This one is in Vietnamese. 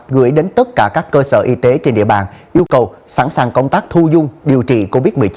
gửi đến tất cả các cơ sở y tế trên địa bàn yêu cầu sẵn sàng công tác thu dung điều trị covid một mươi chín